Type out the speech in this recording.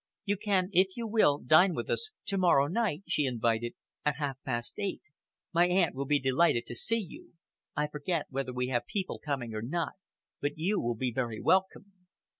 "You can, if you will, dine with us to morrow night," she invited, "at half past eight. My aunt will be delighted to see you. I forget whether we have people coming or not, but you will be very welcome."